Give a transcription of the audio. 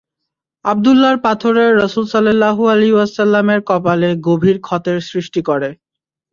আব্দুল্লাহর পাথরে রাসূল সাল্লাল্লাহু আলাইহি ওয়াসাল্লাম-এর কপালে গভীর ক্ষতের সৃষ্টি করে।